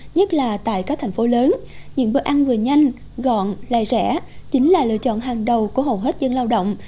nhất là tại các thành phố lớn những bữa ăn vừa nhanh gọn lại rẻ chính là lựa chọn hàng đầu của hầu hết dân lao động